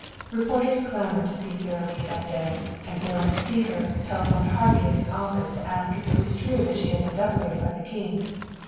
Reporters clamored to see Sara Lee that day, and, failing to see her, telephoned Harvey at his office to ask if it was true that she had been decorated by the King.